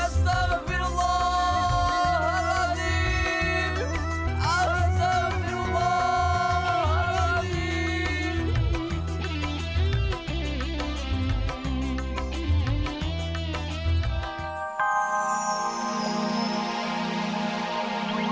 astagfirullah ala alim astagfirullah ala alim astagfirullah ala alim